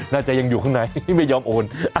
น่าจะยังอยู่ข้างในไม่ยอมโอน